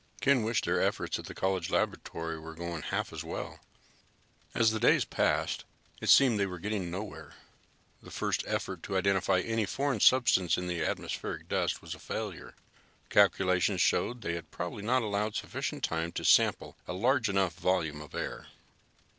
Ken wished their efforts at the college laboratory were going half as well. As the days passed, it seemed they were getting nowhere. The first effort to identify any foreign substance in the atmospheric dust was a failure. Calculations showed they had probably not allowed sufficient time to sample a large enough volume of air.